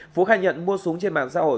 phú khai nhận mua súng trên mạng xã hội